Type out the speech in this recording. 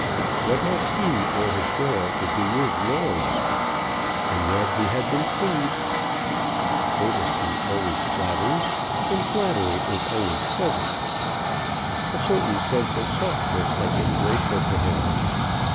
What had he or his girl to do with lords? And yet he had been pleased. Courtesy always flatters, and flattery is always pleasant. A certain sense of softness had been grateful to him.